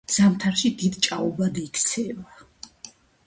ზამთარში დიდ ჭაობად იქცევა.